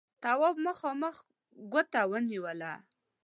تواب مخامخ ګوته ونيوله: